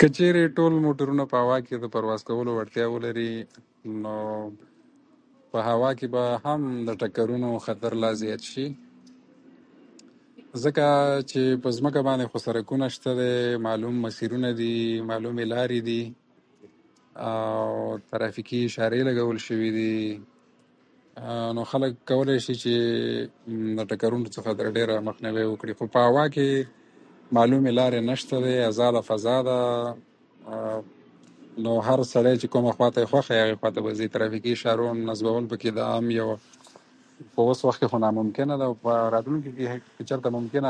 که چیری ټول موټرونه په هوا کی د پرواز کولو وړتیا ولری نو په هوا کی به هم د ټکرونو خطر لا زیات شی ځکه چی په ځمکه باندی سړکونه شته او ښه معلوم مسیرونه دی معلومی لاری دی او ترافیکی اشاری لګول سوی دی نو خلک کولای څخه له ټکرونو څخه مخنیوی وکړی خو په هوا کی معلومی لاری نسته ازاده فضا ده نو هر سړی چی کومه خواته یی خوښه وی ورځی د ترافیکو اشارو نصبول چی اوس وخت کی ممکنه نه ده خو که په راتلونکی کی چیرته ممکنه هم وی